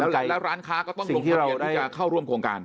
แล้วร้านค้าก็ต้องลงทะเบียนที่จะเข้าร่วมโครงการ